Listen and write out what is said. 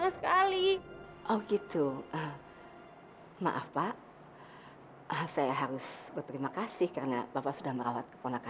saya harus berterima kasih karena